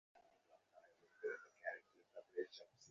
রঘুপতি কহিলেন, দেবীর আদেশ পালন করিতে কোনো পাপ নাই।